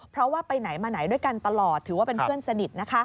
เพราะว่าไปไหนมาไหนด้วยกันตลอดถือว่าเป็นเพื่อนสนิท